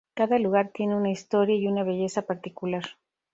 Cada lugar tiene una historia y una belleza particular.